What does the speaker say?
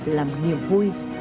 làm niềm vui lẽ sống của mình